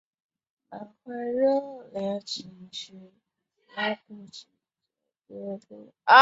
欧舒丹的根据地普罗旺斯即位于此地区内。